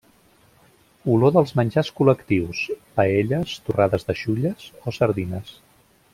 Olor dels menjars col·lectius: paelles, torrades de xulles o sardines.